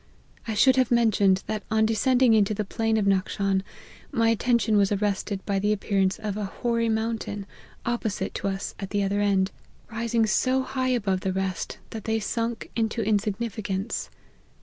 I should have mentioned, that on descend ing into the plain of Nackshan, my attention was arrested by the appearance of a hoary mountain, opposite to us at the other end, rising so high above LIFE OF HENRY MARTYX. 181 the rest, that they sunk into insignificance.